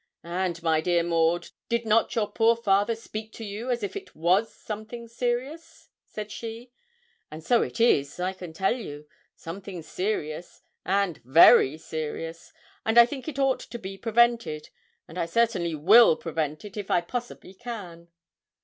'And, my dear Maud, did not your poor father speak to you as if it was something serious?' said she. 'And so it is, I can tell you, something serious, and very serious; and I think it ought to be prevented, and I certainly will prevent it if I possibly can.'